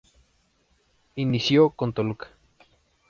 Inició con Toluca.